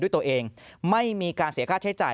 ด้วยตัวเองไม่มีการเสียค่าใช้จ่าย